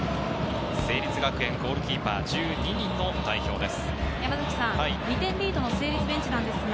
成立学園ゴールキーパー１２人の代表です。